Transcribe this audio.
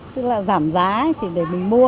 tức là giảm giá để mình mua